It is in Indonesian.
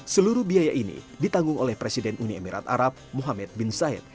seluruh biaya ini ditanggung oleh presiden uni emirat arab muhammad bin said